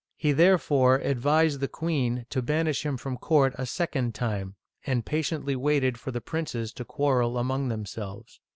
He therefore advised the queen to banish him from court a second time, and patiently waited for the princes to quarrel among themselves.